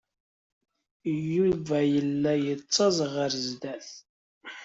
Yuba yella yettaẓ ɣer sdat.